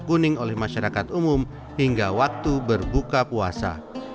masjid ini juga digunakan untuk mengajar masyarakat umum hingga waktu berbuka puasa